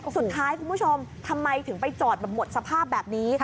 สุดท้ายคุณผู้ชมทำไมถึงไปจอดหมดสภาพแบบนี้